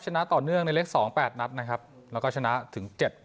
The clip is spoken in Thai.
ชนะต่อเนื่องในเล็กสองแปดนัดนะครับแล้วก็ชนะถึงเจ็ด